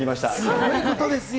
すごいことですよ。